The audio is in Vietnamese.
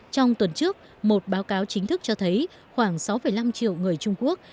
trong tuần trước một báo cáo chính thức cho thấy khoảng sáu năm triệu người trung quốc